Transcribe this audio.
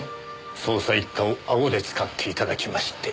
捜査一課をアゴで使っていただきまして。